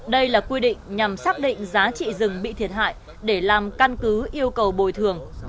đây là quy định nhằm xác định giá trị rừng bị thiệt hại để làm căn cứ yêu cầu bồi thường